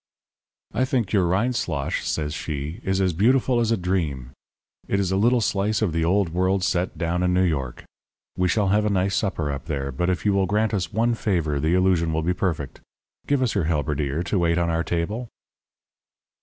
"'I think your Rindslosh,' says she, 'is as beautiful as a dream. It is a little slice of the Old World set down in New York. We shall have a nice supper up there; but if you will grant us one favour the illusion will be perfect give us your halberdier to wait on our table.'